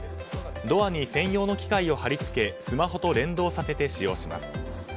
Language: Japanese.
ドアに専用の機械を貼り付けスマホと連動させて使用します。